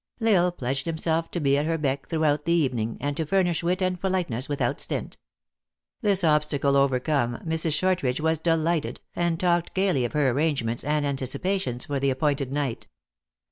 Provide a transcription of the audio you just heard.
L Isle pledged himself to be at her beck through out the evening, and to furnish wit and politeness without stint. This obstacle overcome, Mrs. Short ridge was delighted, and talked gaily of her arrange ments and anticipations for the appointed night.